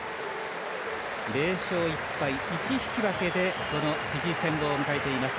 ０勝１敗１引き分けでこのフィジー戦を迎えています。